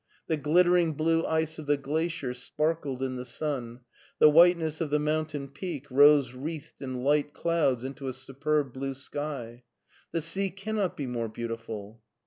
The glittering blue ice of the glacier sparkled in the sun; the whiteness of the mountain peak rose wreathed in light clouds into a superb blue sky. "The sea cannot be more beautiful."